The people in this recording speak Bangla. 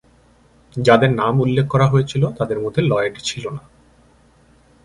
যাদের নাম উল্লেখ করা হয়েছিল তাদের মধ্যে লয়েড ছিল না।